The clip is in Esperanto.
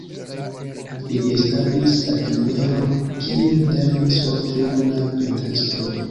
Li establis atelieron, kie lernis ofte junaj pentristoj.